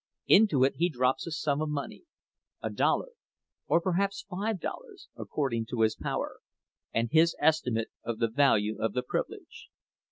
Into it he drops a sum of money—a dollar, or perhaps five dollars, according to his power, and his estimate of the value of the privilege.